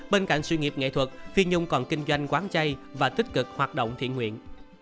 bên cạnh sự nghiệp nghệ thuật phi nhung còn kinh doanh quán chay và tích cực hoạt động thiện nguyện